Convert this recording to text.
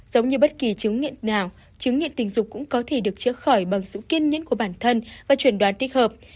giống như bất kỳ chứng nghiện nào chứng nghiện tình dục cũng có thể được chữa khỏi bằng sự kiên nhẫn của bản thân và chuẩn đoán tích hợp